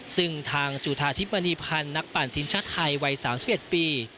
ซึ่งทางจุธาธิบมณีพันธ์นักปั่นทิมชะไทยวัย๓๗ปี